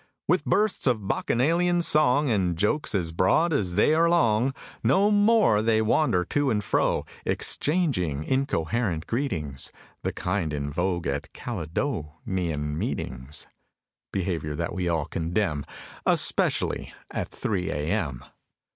With bursts of bacchanalian song, And jokes as broad as they are long. No more they wander to and fro, Exchanging incoherent greetings The kind in vogue at Caledo Nian Meetings (Behavior that we all condemn, Especially at 3 a. m.).